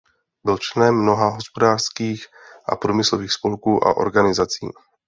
Byl členem mnoha hospodářských a průmyslových spolků a organizací.